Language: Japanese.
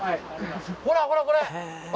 ほらほらこれ！